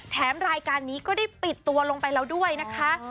แถมรายการนี้ก็ได้ปิดตัวลงไปแล้วด้วยนะคะ